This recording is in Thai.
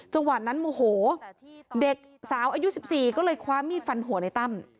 จังหวัดนั้นโมโหเด็กสาวอายุ๑๔ก็เลยคว้ามีดฟันหัวในตั้ม